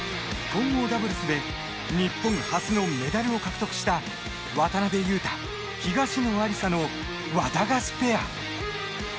混合ダブルスで日本初のメダルを獲得した渡辺勇大、東野有紗のワタガシペア。